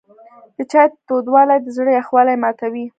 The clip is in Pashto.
د چای تودوالی د زړه یخوالی ماتوي.